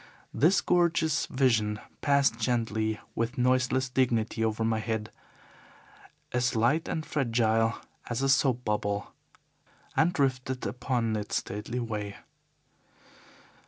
This gorgeous vision passed gently with noiseless dignity over my head, as light and fragile as a soap bubble, and drifted upon its stately way.